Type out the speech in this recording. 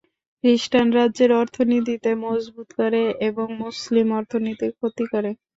খ্রিস্টান রাজ্যের অর্থনীতিকে মজবুত করে, এবং মুসলিম অর্থনীতির ক্ষতি করে।